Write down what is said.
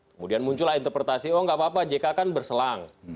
kemudian muncullah interpretasi oh enggak apa apa jk kan berselang